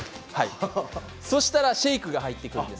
そうしたらシェイクが入ってきます。